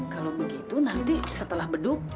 kalau begitu nanti setelah beduk